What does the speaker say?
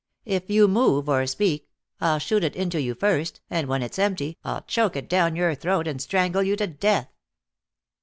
If you move or speak, I'll shoot it into you first and when it's empty I'll choke it down your throat and strangle you to death."